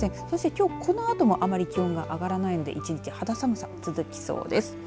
きょうこのあとも気温が上がらないので一日肌寒さ続きそうです。